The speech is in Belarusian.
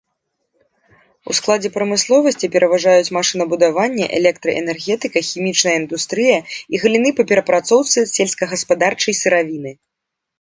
У складзе прамысловасці пераважаюць машынабудаванне, электраэнергетыка, хімічная індустрыя і галіны па перапрацоўцы сельскагаспадарчай сыравіны.